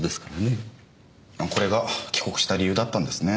これが帰国した理由だったんですね。